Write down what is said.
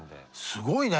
すごいね。